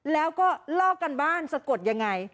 แล้วก็ลอกกันบ้านสะกดยังไง